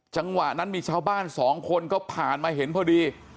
จังหวะนั้นมีชาวบ้านสองคนก็ผ่านมาเห็นพอดี